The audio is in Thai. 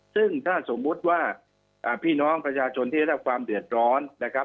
ซึ่งถ้าสมมุติว่าพี่น้องประชาชนที่ได้รับความเดือดร้อนนะครับ